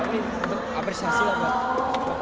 ini untuk apresiasi lah buat mereka